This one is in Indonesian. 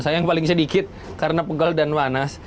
saya yang paling sedikit karena pegal dan panas